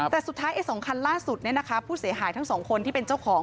แต่สุดท้าย๒คันล่าสุดผู้เสียหายทั้งสองคนที่เป็นเจ้าของ